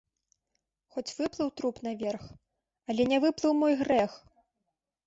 Хоць выплыў труп наверх, але не выплыў мой грэх!